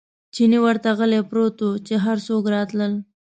چیني ورته غلی پروت و، چې هر څوک راتلل.